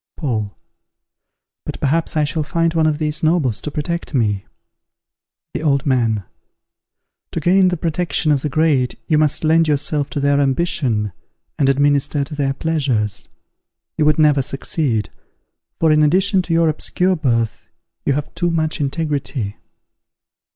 Paul. But perhaps I shall find one of these nobles to protect me. The Old Man. To gain the protection of the great you must lend yourself to their ambition, and administer to their pleasures. You would never succeed; for, in addition to your obscure birth, you have too much integrity.